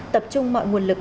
tập trung mọi nguồn lực